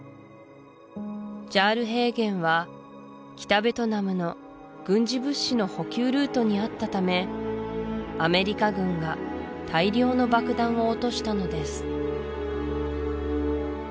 ジャール平原は北ベトナムの軍事物資の補給ルートにあったためアメリカ軍が大量の爆弾を落としたのです